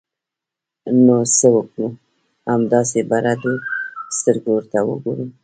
نو څه وکړو؟ همداسې په رډو سترګو ورته وګورو!